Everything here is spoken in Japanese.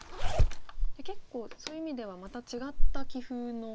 結構そういう意味ではまた違った棋風の。